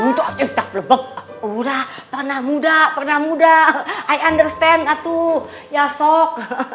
itu ah kita plebek udah pernah muda pernah muda i understand atuh ya sok